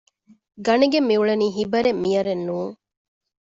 ގަނެގެން މިއުޅެނީ ހިބަރެއް މިޔަރެއް ނޫން